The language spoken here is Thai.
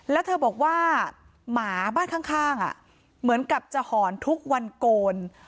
แล้วเธอบอกว่าหมาบ้านข้างเหมือนกับจะหอนทุกวันโกน